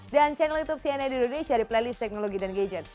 dan channel youtube cnn indonesia di playlist teknologi dan gadget